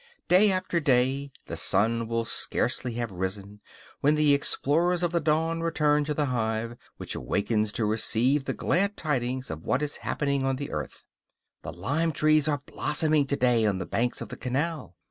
Day after day, the sun will scarcely have risen when the explorers of the dawn return to the hive, which awakes to receive the glad tidings of what is happening on the earth. "The lime trees are blossoming to day on the banks of the canal."